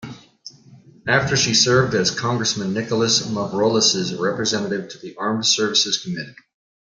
After she served as Congressman Nicholas Mavroules' representative to the Armed Services Committee.